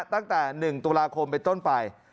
ตั้งแต่๑ตุลาคมไปต้นไป